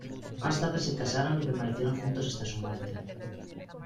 Más tarde se casaron y permanecieron juntos hasta su muerte.